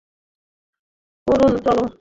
কারুন, চলো।